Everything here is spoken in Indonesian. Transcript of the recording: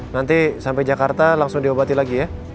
nanti sampe jakarta langsung di obati lagi ya